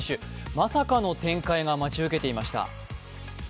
まさかの展開が待ち受けていました。